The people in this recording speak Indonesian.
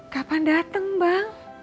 kapan dateng bang